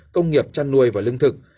công nghiệp trăn nuôi và lương thực